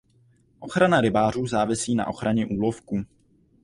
Ochrana rybářů závisí na ochraně úlovků.